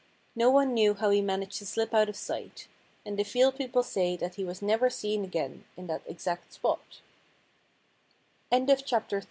No one knew how he managed to slip out of sight. And the field people say that he was never seen again in that exact